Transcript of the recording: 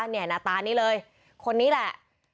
หน้าตานี้เลยคนนี้แหละ